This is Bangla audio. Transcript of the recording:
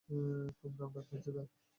খুব নামডাক হয়েছে তার।